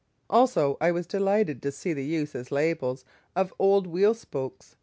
Also I was delighted to see the use as labels of old wheel spokes.